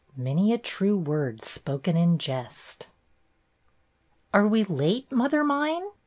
MANY A TRUE WORD SPOKEN IN JEST A' ^RE we late, mother mine?"